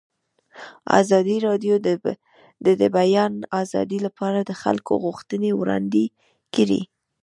ازادي راډیو د د بیان آزادي لپاره د خلکو غوښتنې وړاندې کړي.